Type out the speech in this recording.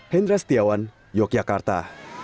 hendra setiawan yogyakarta